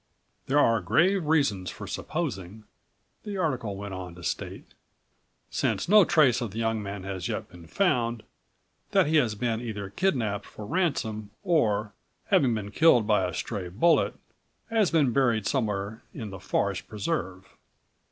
"There are grave reasons for supposing," the article went on to state, "since no trace of the young man has yet been found, that he has been either kidnapped for ransom or, having been killed by a stray bullet, has been buried somewhere in the forest preserve.